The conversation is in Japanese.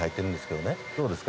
どうですか？